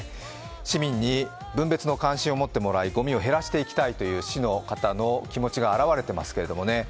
市民に分別の関心を持ってもらいごみを減らしていきたいという市の方の気持ちが表れてますけどね